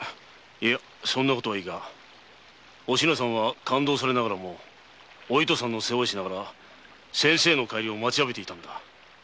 そんな事はいいがお品さんは勘当されながらもお糸さんの世話をして先生の帰りを待ちわびていたのだ。